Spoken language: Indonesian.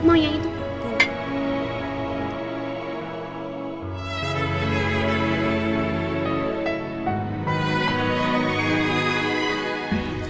mau yang itu